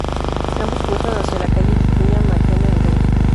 Ambos cruzan hacia la calle Vicuña Mackenna en Renca.